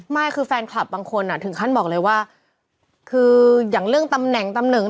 ไม่คือแฟนคลับบางคนอ่ะถึงขั้นบอกเลยว่าคืออย่างเรื่องตำแหน่งตำแหน่ง